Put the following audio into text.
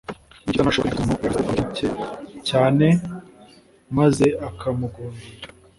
Umukiza ntashobora kwirengagiza umuntu ugaragaza ko amukencye cyane maze akamugundira.